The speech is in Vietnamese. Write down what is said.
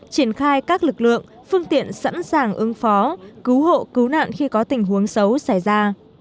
triển khai các lực lượng phương tiện sẵn sàng ứng phó cứu hộ cứu nạn khi có tình huống xấu xảy ra